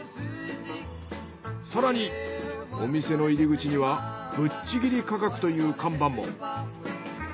更にお店の入り口には「ブッチ切り価格」という看板も。